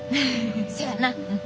そやな。